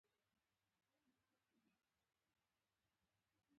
د ملت خويندې دې واړه ډاکترانې شي